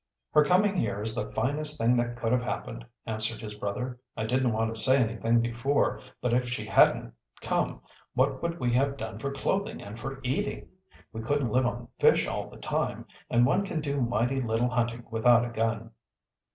"Her coming here is the finest thing that could have happened," answered his brother. "I didn't want to say anything before, but if she hadn't come what would we have done for clothing and for eating? We couldn't live on fish all the time, and one can do mighty little hunting without a gun."